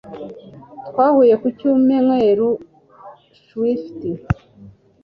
Twahuye ku cyumweru Swift